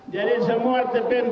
karena kita semua anak anak bansa